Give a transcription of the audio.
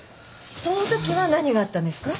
そのときは何があったんですか？